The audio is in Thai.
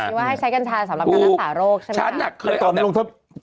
คือว่าให้ใช้กัญชาสำหรับนัชนาศาโรคใช่ไหม